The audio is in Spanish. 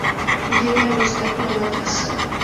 Llegan los acróbatas.